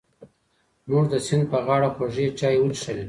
موږ د سیند په غاړه خوږې چای وڅښلې.